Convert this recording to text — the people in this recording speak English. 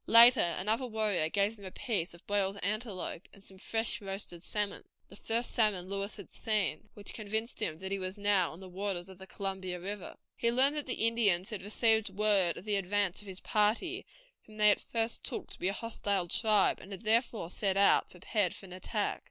Later another warrior gave them a piece of boiled antelope, and some fresh roasted salmon, the first salmon Lewis had seen, which convinced him that he was now on the waters of the Columbia River. He learned that the Indians had received word of the advance of his party, whom they at first took to be a hostile tribe, and had therefore set out, prepared for an attack.